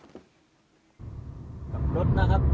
กับรถนะครับ